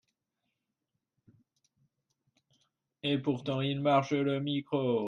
Riches are the sumpter mules of fortune.